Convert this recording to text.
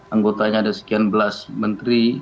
anggotanya ada sekian belas menteri